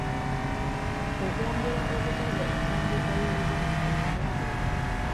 Okwongera okukaza empandiika y’Oluganda entongole.